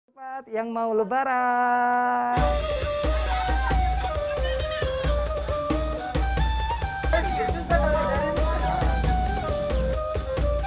ketupat yang mau lebaran